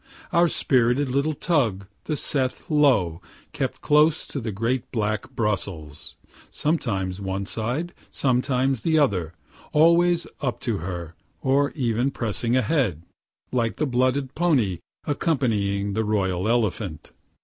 Our spirited little tug, the "Seth Low," kept close to the great black "Brussels," sometimes one side, sometimes the other, always up to her, or even pressing ahead, (like the blooded pony accompanying the royal elephant.)